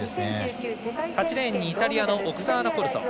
８レーンにイタリアのオクサーナ・コルソ。